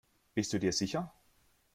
Bist du dir sicher?